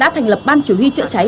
đã thành lập ban chủ huy chữa cháy